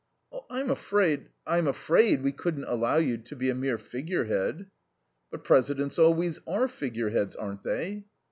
"I'm afraid I'm afraid we couldn't allow you to be a mere figurehead." "But presidents always are figureheads, aren't they?"